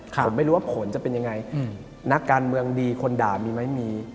ผมไม่รู้ว่าผลจะเป็นยังไงนักการเมืองดีคนด่ามีไหมมี